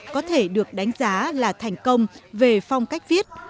có thể được đánh giá là thành công về phong cách viết